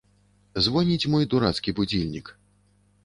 Звоніць мой дурацкі будзільнік!